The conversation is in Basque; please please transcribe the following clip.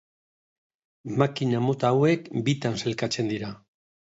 Makina mota hauek bitan sailkatzen dira.